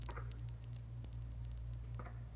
কিছু কেটে ফেলেছ না-কি?